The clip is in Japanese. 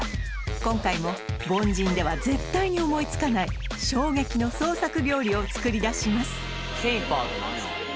今回も凡人では絶対に思いつかない衝撃の創作料理を作り出します